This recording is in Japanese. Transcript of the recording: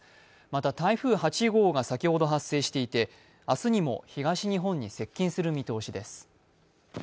また台風８号が先ほど発生していて、明日にも東日本に接近する見通しです。